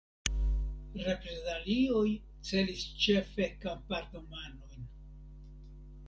Reprezalioj celis ĉefe kampardomanojn.